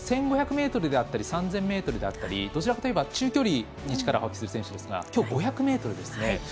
１５００ｍであったり３０００ｍであったりどちらかといえば中距離に力を発揮する選手ですがきょう、５００ｍですね。